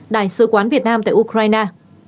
đại sứ quán việt nam tại ukraine